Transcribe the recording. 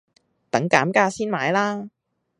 等減價先買啦